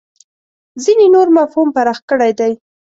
ځینې نور مفهوم پراخ کړی دی.